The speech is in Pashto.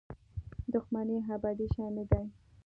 دښمني ابدي شی نه دی.